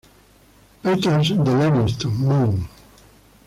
Peters de Lewiston, Maine.